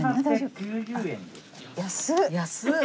安っ！